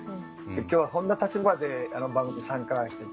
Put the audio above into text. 今日はこんな立場で番組に参加していきます。